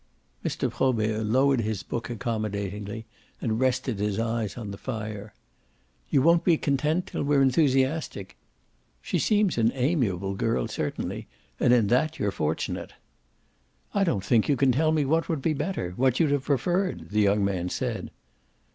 Mr. Probert lowered his book accommodatingly and rested his eyes on the fire. "You won't be content till we're enthusiastic. She seems an amiable girl certainly, and in that you're fortunate." "I don't think you can tell me what would be better what you'd have preferred," the young man said.